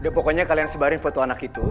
pokoknya kalian sebarin foto anak itu